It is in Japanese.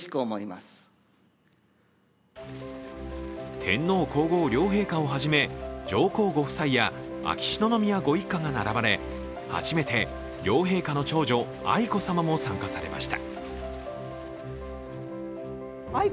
天皇皇后両陛下をはじめ上皇ご夫妻や秋篠宮ご一家が並ばれ、初めて両陛下の長女・愛子さまも参加されました。